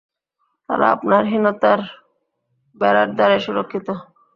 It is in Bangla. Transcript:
তারা আপনার হীনতার বেড়ার দ্বারাই সুরক্ষিত।